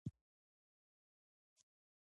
دا نژادي او جنسیتي تفکیک رامنځته کوي.